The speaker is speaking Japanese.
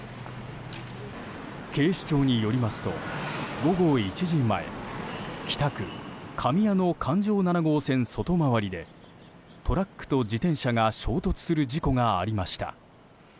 警視庁によりますと、午後１時前北区神谷の環状７号線外回りでトラックと自転車が衝突する事故がありました。